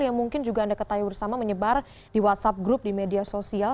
yang mungkin juga anda ketahui bersama menyebar di whatsapp group di media sosial